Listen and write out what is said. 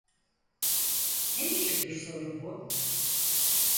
Ne biçim bir soru bu?